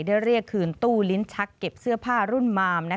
ได้เรียกคืนตู้ลิ้นชักเก็บเสื้อผ้ารุ่นมาม